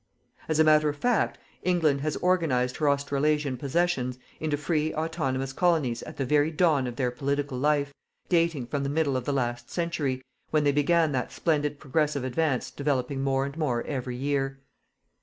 As a matter of fact, England has organized her Australasian possessions into free autonomous colonies at the very dawn of their political life, dating from the middle of the last century, when they began that splendid progressive advance developing more and more every year.